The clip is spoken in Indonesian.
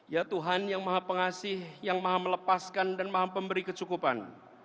ya tuhan yang maha pengasih yang maha melepaskan dan maha pemberi kecukupan